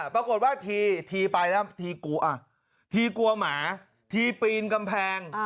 ปรากฏว่าทีไปแล้วทีกลัวหมาทีปีนกำแพง